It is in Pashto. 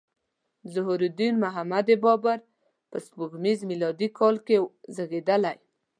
ظهیرالدین محمد بابر په سپوږمیز میلادي کال کې زیږیدلی.